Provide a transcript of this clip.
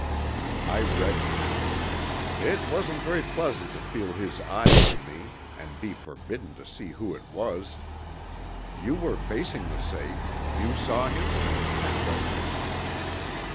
I reddened. "It wasn't very pleasant to feel his eyes on me and be forbidden to see who it was. You were facing the safe. You saw him?" I questioned.